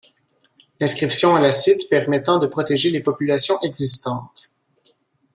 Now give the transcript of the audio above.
L'inscription à la Cites permettant de protéger les populations existantes.